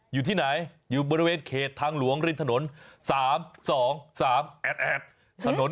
อยู่ที่ไหนอยู่บริเวณเขตทางหลวงริมถนน